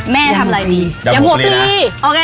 แม่ทำอะไรดียำหัวปลีนะยำหัวปลี